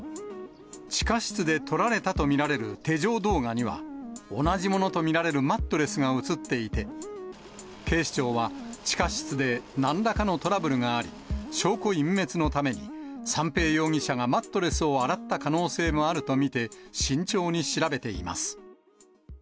地下室で撮られたと見られる手錠動画には、同じものと見られるマットレスが映っていて、警視庁は、地下室で、なんらかのトラブルがあり、証拠隠滅のために、三瓶容疑者がマットレスを洗った可能性もあると見て、慎重に調べています。